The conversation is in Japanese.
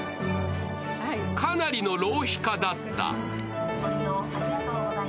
かなりの浪費家だった。